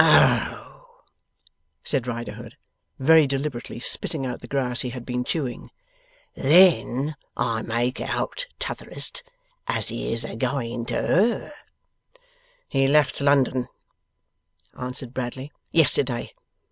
'Oh!' said Riderhood, very deliberately spitting out the grass he had been chewing. 'Then, I make out, T'otherest, as he is a going to her?' 'He left London,' answered Bradley, 'yesterday.